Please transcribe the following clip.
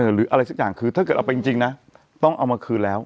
หรืออะไรสักอย่างคือถ้าเกิดเอาไปจริงนะต้องเอามาคืนแล้ว